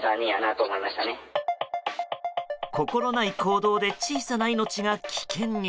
心無い行動で小さな命が危険に。